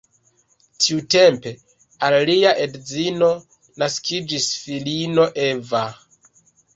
Tiutempe al lia edzino naskiĝis filino Eva.